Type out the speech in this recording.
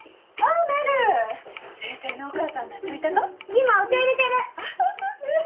今お茶入れてる。